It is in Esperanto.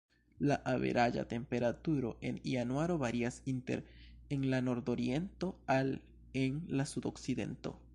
La averaĝa temperaturo en januaro varias inter en la nordoriento al en la sudokcidento.